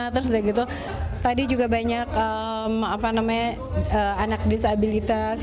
terus udah gitu tadi juga banyak anak disabilitas